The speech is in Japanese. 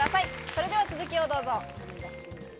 それでは続きをどうぞ。